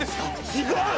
違う！